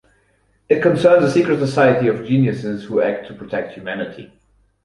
It concerns a secret society of geniuses who act to protect humanity.